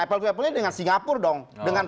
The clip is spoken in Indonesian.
apple to apple nya dengan singapura dong